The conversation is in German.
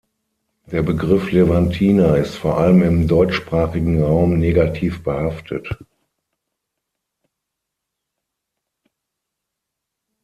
Der Begriff „Levantiner“ ist vor allem im deutschsprachigen Raum negativ behaftet.